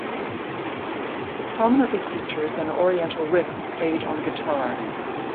It prominently features an Oriental riff played on guitar.